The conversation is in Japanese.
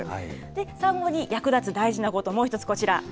産後に役立つ大事なこと、もう１つこちら。